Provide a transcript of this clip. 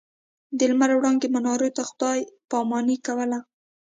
د لمر وړانګې منارو ته خداې پا ماني کوله.